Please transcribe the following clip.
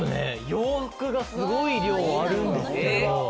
洋服がすごい量あるんですけど。